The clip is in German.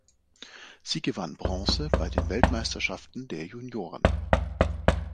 Sie gewann Bronze bei den Weltmeisterschaften der Junioren.